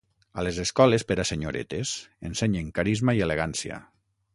A les escoles per a senyoretes ensenyen carisma i elegància.